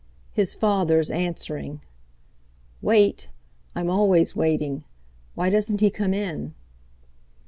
His father's answering "Wait? I'm always waiting. Why doesn't he come in?"